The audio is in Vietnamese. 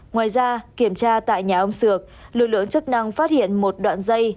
ngoài ra kiểm tra tại nhà ông sược lực lượng chức năng phát hiện một đoạn dây